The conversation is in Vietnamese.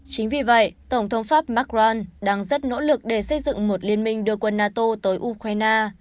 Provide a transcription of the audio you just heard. chính vì vậy tổng thống pháp mark run đang rất nỗ lực để xây dựng một liên minh đưa quân nato tới ukraine